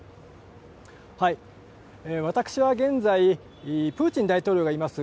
私は現在、プーチン大統領がいます